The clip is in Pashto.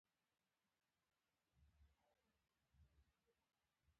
موږ له ښوونکي څخه مننه کوو.